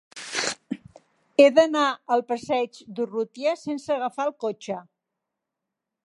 He d'anar al passeig d'Urrutia sense agafar el cotxe.